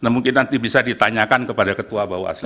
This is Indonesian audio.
mungkin nanti bisa ditanyakan kepada ketua bawaslu